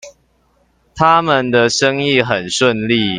他們的生意很順利